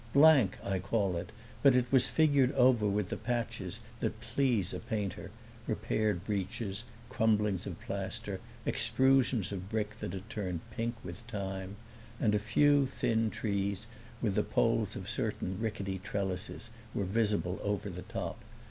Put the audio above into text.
Blank I call it, but it was figured over with the patches that please a painter, repaired breaches, crumblings of plaster, extrusions of brick that had turned pink with time; and a few thin trees, with the poles of certain rickety trellises, were visible over the top.